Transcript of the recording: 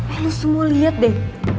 eh lu semua lihat deh